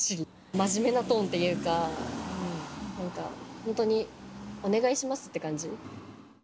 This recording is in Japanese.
真面目なトーンっていうか、なんか、本当にお願いしますって感じ。